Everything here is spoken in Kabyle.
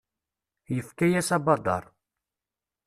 Yefka-yas abadaṛ.